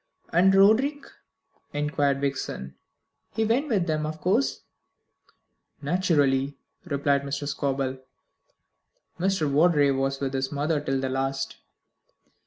"And Roderick?" inquired Vixen, "He went with them of course." "Naturally," replied Mr. Scobel. "Mr. Vawdrey was with his mother till the last."